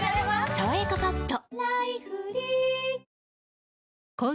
「さわやかパッド」